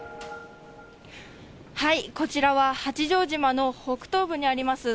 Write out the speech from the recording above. こちらは、八丈島の北東部にあります